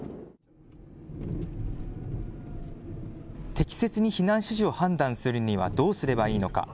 適切に避難指示を判断するにはどうすればいいのか。